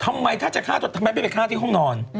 ทำไมถ้าจะฆ่าตัวทำไมไม่ไปฆ่าที่ห้องนอน